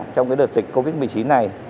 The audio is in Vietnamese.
trong đợt dịch covid một mươi chín này